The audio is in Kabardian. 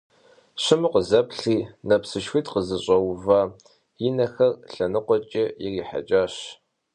Щыму къызэплъри, нэпсышхуитӀ къызыщӀэува и нэхэр лъэныкъуэкӀэ ирихьэкӀащ.